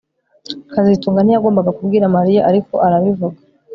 kazitunga ntiyagombaga kubwira Mariya ariko arabivuga